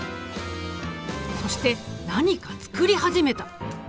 そして何か作り始めた。